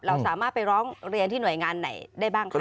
เราสามารถไปร้องเรียนที่หน่วยงานไหนได้บ้างคะ